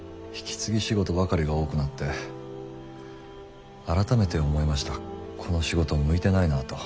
仕事ばかりが多くなって改めて思いましたこの仕事向いてないなと。